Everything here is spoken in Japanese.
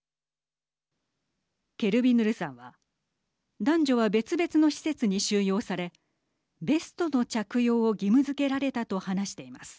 ケルビヌルさんは男女は別々の施設に収容されベストの着用を義務づけられたと話しています。